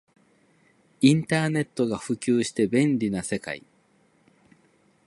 インターネットが普及して便利な世界